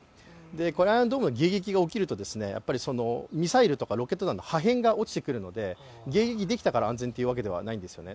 このアイアンドームの迎撃が起きると、ミサイルやロケット弾の破片が落ちてくるので迎撃できたから安全というわけではないんですね。